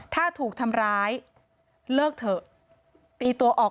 ตังค์อะไรอีก